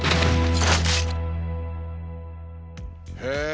へえ！